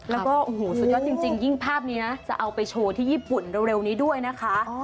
แล้วก็โอ้โหสุดยอดจริงยิ่งภาพนี้นะจะเอาไปโชว์ที่ญี่ปุ่นเร็วนี้ด้วยนะคะ